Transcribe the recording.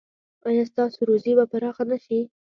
ایا ستاسو روزي به پراخه نه شي؟